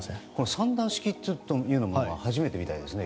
３段式というのも初めてみたいですね。